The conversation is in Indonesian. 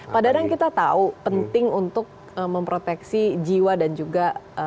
pak dadang kita tahu penting untuk memproteksi jiwa dan juga